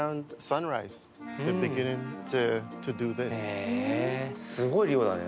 へえすごい量だね